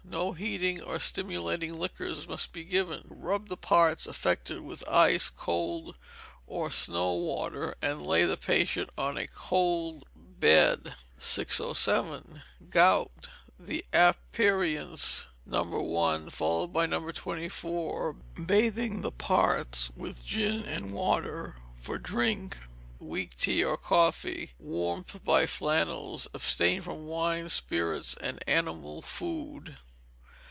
No heating or stimulating liquors must be given. Rub the parts affected with ice, cold, or snow water, and lay the patient on a cold bed. 607. Gout. The aperients No. 1, followed by No. 24, bathing the parts with gin and water; for drink, weak tea or coffee. Warmth by flannels. Abstain from wines, spirits, and animal food.